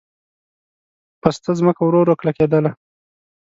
پسته ځمکه ورو ورو کلکېدله.